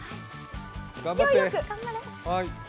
勢いよく。